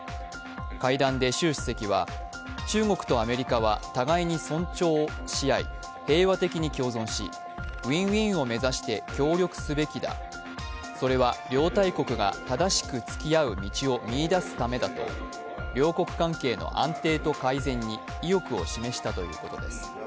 会談で習主席は中国とアメリカは互いに尊重し合い平和的に共存しＷｉｎ−Ｗｉｎを目指して協力すべきだ、それは両大国が正しく付き合う道を見いだすためだと両国関係の安定と改善に意欲を示したということです。